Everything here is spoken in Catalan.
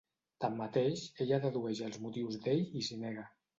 Tanmateix, ella dedueix els motius d'ell i s'hi nega.